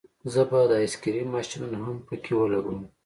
زه به د آیس کریم ماشینونه هم پکې ولګوم